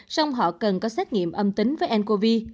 xong họ cần có xét nghiệm âm tính với ncov